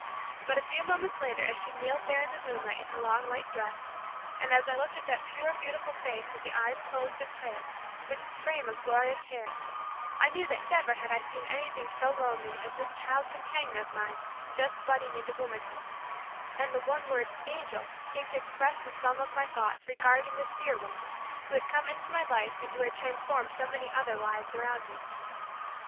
But a few moments later as she kneeled there in the moonlight in her long white night dress, and as I looked at that pure beautiful face with the eyes closed in prayer, with its frame of glorious hair, I knew that never had I seen anything so lovely as this child companion of mine just budding into womanhood; and the one word "Angel" seemed to express the sum of my thoughts regarding this dear one who had come into my life and who had transformed so many other lives around me.